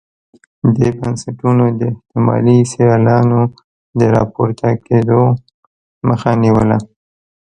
دې بنسټونو د احتمالي سیالانو د راپورته کېدو مخه نیوله.